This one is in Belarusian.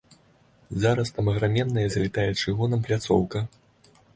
Зараз там аграменная залітая чыгунам пляцоўка.